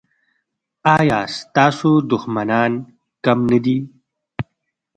ایا ستاسو دښمنان کم نه دي؟